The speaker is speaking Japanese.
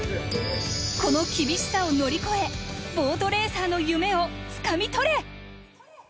この厳しさを乗り越え、ボートレーサーの夢をつかみとれ！